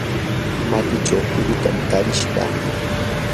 matichaw kurutam tarirquu.